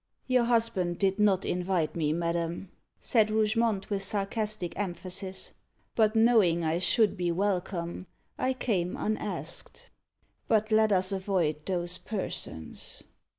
"Your husband did not invite me, madam," said Rougemont, with sarcastic emphasis; "but knowing I should be welcome, I came unasked. But let us avoid those persons."